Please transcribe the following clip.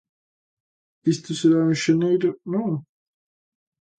Isto será en xaneiro, ¿non?